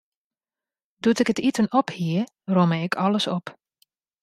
Doe't ik it iten op hie, romme ik alles op.